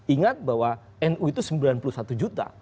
ingat bahwa nu itu sembilan puluh satu juta